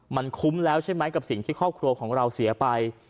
มันคุ้มแล้วใช่ไหมกับสิ่งที่ครอบครัวของเราเสียไป